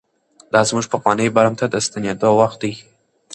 دا زموږ پخواني برم ته د ستنېدو وخت دی.